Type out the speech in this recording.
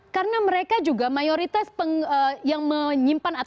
karena mereka juga mayoritas yang menyimpan negara